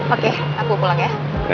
oke aku pulang ya